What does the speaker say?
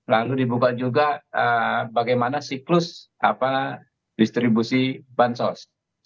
lalu dibuka juga bagaimana siklus distribusi bansos